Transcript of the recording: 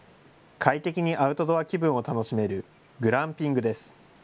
快適にアウトドア気分を楽しめるグランピングです。